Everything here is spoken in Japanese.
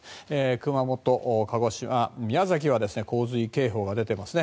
熊本、鹿児島、宮崎は洪水警報が出ていますね。